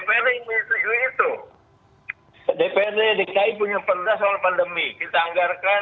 persoalan pandemi kita sudah anggarkan